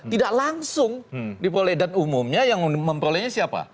tidak langsung di prole dan umumnya yang memprolenya siapa